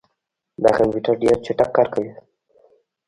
دا کمپیوټر ډېر چټک کار کوي.